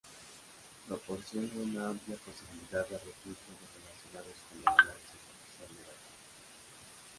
Proporciona una amplia posibilidad de recursos relacionados con el análisis espacial de datos.